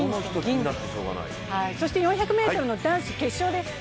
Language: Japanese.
そして４００ｍの男子決勝です。